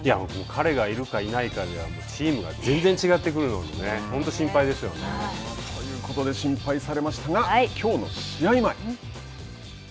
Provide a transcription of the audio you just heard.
彼がいるか、いないかではチームが全然違ってくるのでね。ということで、心配されましたが、きょうの試合前。